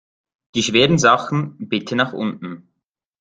Die schweren Sachen bitte nach unten!